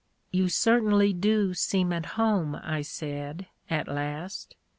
" You certainly do seem at home I " I said, at last.